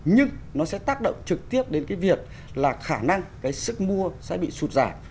nhưng nó sẽ tác động trực tiếp đến cái việc là khả năng cái sức mua sẽ bị sụt giảm